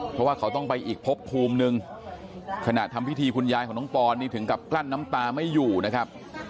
เพราะว่าเขาต้องไปอีกพบภูมินึงขณะทำพิธีคุณยายของน้องปอนนี่ถึงกับกลั้นน้ำตาไม่อยู่นะครับ